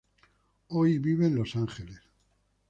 Hoy vive en Los Ángeles.